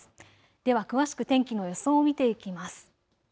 では詳しく天気の予想を見ていきます。